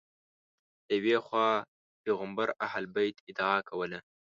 له یوې خوا پیغمبر اهل بیت ادعا کوله